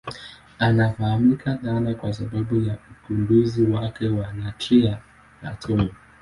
Anafahamika sana kwa sababu ya ugunduzi wake wa nadharia ya atomu.